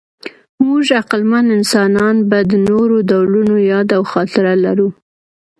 موږ عقلمن انسانان به د نورو ډولونو یاد او خاطره لرو.